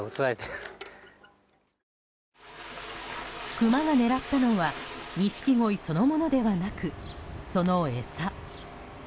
クマが狙ったのはニシキゴイそのものではなくその餌。